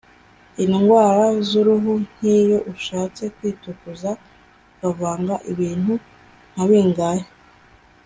indwara z’ uruhu nk’ iyo ushatse kwitukuza ukavanga ibintu nka bingahe